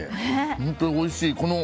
本当においしい。